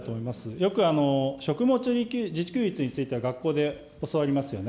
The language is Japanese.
よく食物自給率については、学校で教わりますよね。